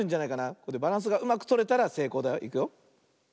バランスがうまくとれたらせいこうだよ。いくよ。